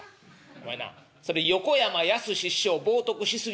「お前なそれ横山やすし師匠を冒とくし過ぎやろ」。